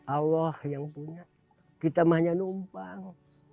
allah yang punya kita hanya numpang